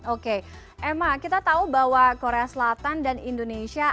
oke emma kita tahu bahwa korea selatan dan indonesia